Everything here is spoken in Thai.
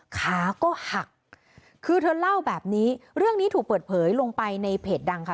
ขาก็หักคือเธอเล่าแบบนี้เรื่องนี้ถูกเปิดเผยลงไปในเพจดังค่ะ